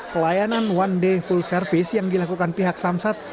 pelayanan one day full service yang dilakukan pihak samsat